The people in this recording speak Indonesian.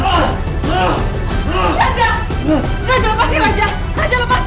biar dia tau lah sih